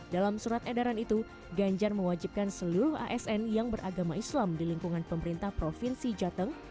dalam surat edaran itu ganjar mewajibkan seluruh asn yang beragama islam di lingkungan pemerintah provinsi jateng